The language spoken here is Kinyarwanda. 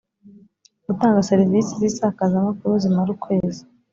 gutanga serivisi z isakazamakuru zimara ukwezi